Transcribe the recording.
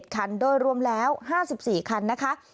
คันโดยรวมแล้ว๕๔คันนะคะ